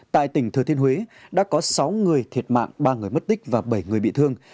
tại tỉnh thừa thiên huế đã có sáu người thiệt mạng ba người mất tích và bảy người bị thương